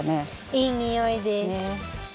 いいにおいです。